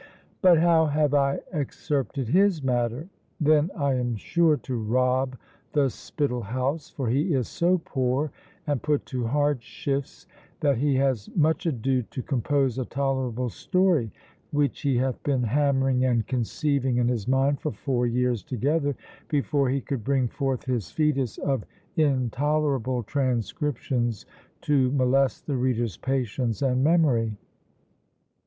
"But how have I excerpted his matter? Then I am sure to rob the spittle house; for he is so poor and put to hard shifts, that he has much ado to compose a tolerable story, which he hath been hammering and conceiving in his mind for four years together, before he could bring forth his foetus of intolerable transcriptions to molest the reader's patience and memory.